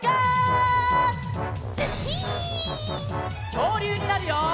きょうりゅうになるよ！